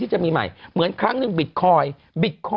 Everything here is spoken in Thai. อึกอึกอึกอึก